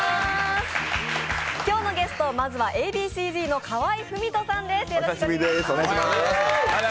今日のゲスト、まずはＡ．Ｂ．Ｃ−Ｚの河合郁人さんです。